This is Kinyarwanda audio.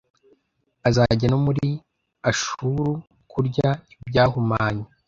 azajya no muri Ashuru kurya ibyahumanye.